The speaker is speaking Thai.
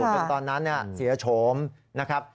จนตอนนั้นเสียโฉมนะครับ